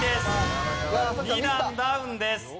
２段ダウンです。